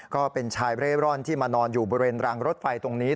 ก็เป็นชายเร่ร่อนที่มานอนอยู่บริเวณรางรถไฟตรงนี้